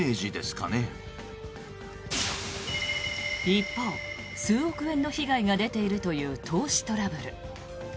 一方、数億円の被害が出ているという投資トラブル。